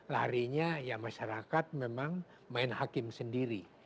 larinya ya masyarakat memang main hakim sendiri